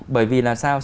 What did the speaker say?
bởi vì làm sao